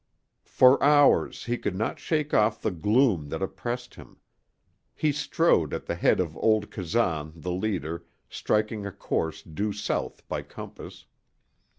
For hours he could not shake off the gloom that oppressed him. He strode at the head of old Kazan, the leader, striking a course due south by compass.